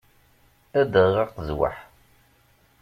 Ad d-aɣeɣ aqezwaḥ.